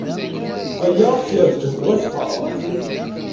Aya ad k-yerr tǧehdeḍ akter.